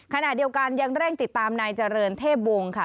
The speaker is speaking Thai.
ขณะเดียวกันยังเร่งติดตามนายเจริญเทพวงศ์ค่ะ